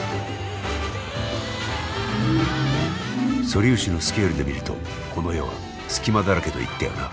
素粒子のスケールで見るとこの世は隙間だらけと言ったよな。